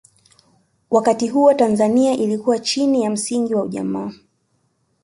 wakati huo tanzania ilikuwa chini ya misingi ya ujamaa